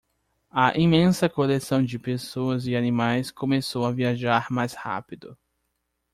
A imensa coleção de pessoas e animais começou a viajar mais rápido.